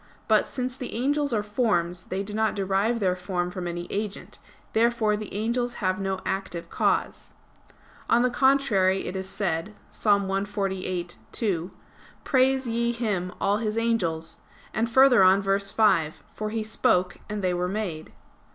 But since the angels are forms, they do not derive their form from any agent. Therefore the angels have no active cause. On the contrary, It is said (Ps. 148:2): "Praise ye Him, all His angels"; and further on, verse 5: "For He spoke and they were made."